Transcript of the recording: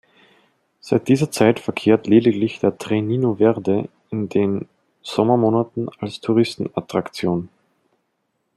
Seit dieser Zeit verkehrt lediglich der Trenino Verde in den Sommermonaten als Touristenattraktion.